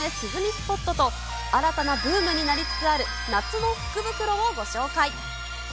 スポットと、新たなブームになりつつある夏の福袋をご紹介。